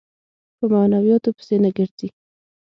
په معنوياتو پسې نه ګرځي.